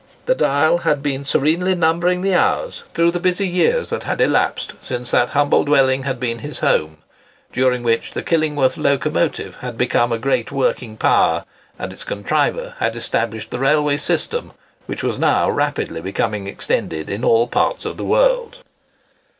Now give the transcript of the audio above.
The dial had been serenely numbering the hours through the busy years that had elapsed since that humble dwelling had been his home; during which the Killingworth locomotive had become a great working power, and its contriver had established the railway system, which was now rapidly becoming extended in all parts of the world.